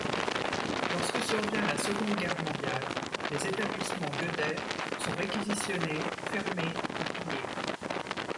Lorsque survient la Seconde Guerre mondiale, les établissements Gueudet sont réquisitionnés, fermés ou pillés.